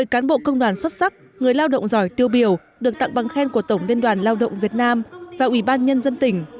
một mươi cán bộ công đoàn xuất sắc người lao động giỏi tiêu biểu được tặng bằng khen của tổng liên đoàn lao động việt nam và ủy ban nhân dân tỉnh